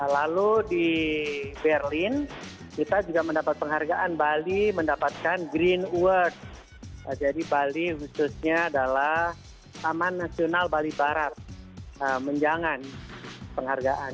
lalu di berlin kita juga mendapat penghargaan bali mendapatkan green award jadi bali khususnya adalah taman nasional bali barat menjangan penghargaan